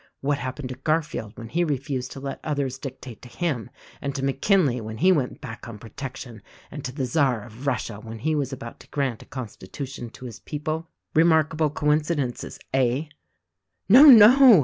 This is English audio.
What happened to Garfield when he refused to let others dictate to him, and to McKinley when he went back on protection, and to the Czar of Russia when he was about to grant a constitution to his people? Remarkable coincidences, eh?" "No, no!"